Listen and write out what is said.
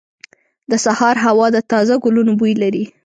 • د سهار هوا د تازه ګلونو بوی لري.